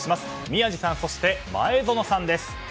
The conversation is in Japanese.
宮司さん、そして前園さんです。